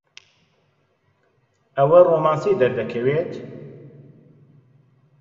ئەوە ڕۆمانسی دەردەکەوێت؟